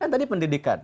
kan tadi pendidikan